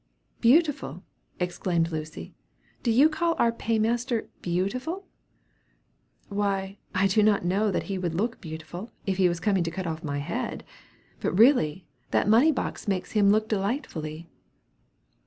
"Beautiful!" exclaimed Lucy; "do you call our pay master beautiful?" "Why, I do not know that he would look beautiful, if he was coming to cut my head off; but really, that money box makes him look delightfully."